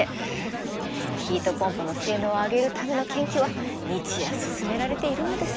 ヒートポンプの性能を上げるための研究は日夜進められているのです。